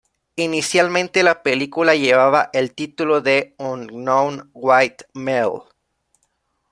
Inicialmente la película llevaba el título de "Unknown White Male".